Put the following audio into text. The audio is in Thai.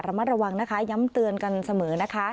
ระมัดระวังนะคะย้ำเตือนกันเสมอนะคะ